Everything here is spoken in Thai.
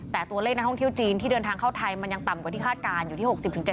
แต่ตัวเลขนักท่องเที่ยวจีนที่เดินทางเข้าไทยมันยังต่ำกว่าที่คาดการณ์อยู่ที่๖๐๗